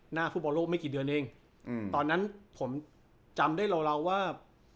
หน้าฟุตบอลโลกไม่กี่เดือนเองตอนนั้นผมจำได้ราวว่า